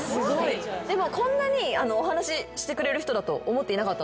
こんなにお話ししてくれる人だと思っていなかったので。